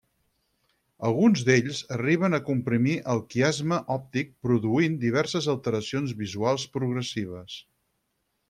Alguns d'ells arriben a comprimir el quiasma òptic, produint diverses alteracions visuals progressives.